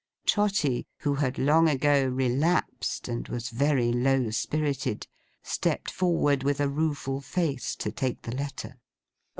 Trotty, who had long ago relapsed, and was very low spirited, stepped forward with a rueful face to take the letter.